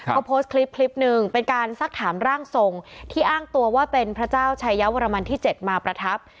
เขาโพสต์คลิปคลิปหนึ่งเป็นการสักถามร่างทรงที่อ้างตัวว่าเป็นพระเจ้าชายวรมันที่๗มาประทับ